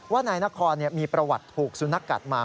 ว่านายนครมีประวัติถูกสุนัขกัดมา